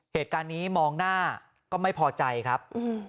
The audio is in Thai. เหตุการณ์นี้มองหน้าก็ไม่พอใจครับ